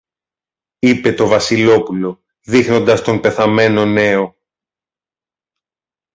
είπε το Βασιλόπουλο, δείχνοντας τον πεθαμένο νέο.